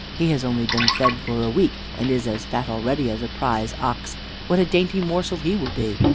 He has only been fed for a week, and is as fat already as a prize ox. What a dainty morsel he will be!